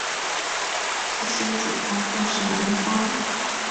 七星主峰更胜东峰